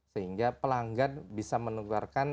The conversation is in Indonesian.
sehingga pelanggan bisa menukarkan